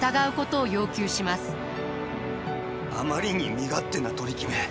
あまりに身勝手な取り決め。